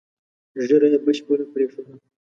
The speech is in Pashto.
ږیره یې بشپړه پرېښودله.